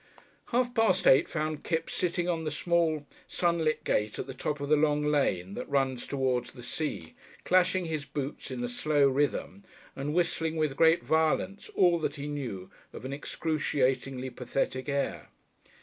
Half past eight found Kipps sitting on the sunlit gate at the top of the long lane that runs towards the sea, clashing his boots in a slow rhythm, and whistling with great violence all that he knew of an excruciatingly pathetic air.